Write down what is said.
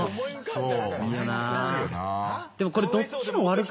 そう。